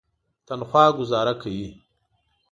تنخوا ګوزاره کوي.